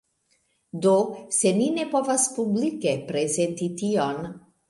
Do, se ni ne povas publike prezenti tion